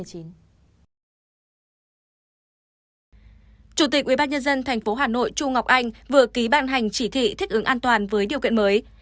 chủ tịch ubnd tp hà nội chu ngọc anh vừa ký ban hành chỉ thị thích ứng an toàn với điều kiện mới